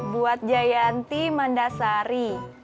buat jayanti mandasari